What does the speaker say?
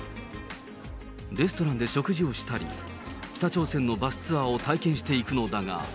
レストランで食事をしたり、北朝鮮のバスツアーを体験していくのだが。